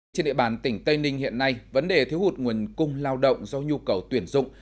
trên địa bàn tỉnh tây ninh hiện nay vấn đề thiếu hụt nguồn cung lao động do nhu cầu tuyển dụng